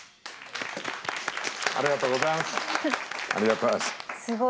ありがとうございます。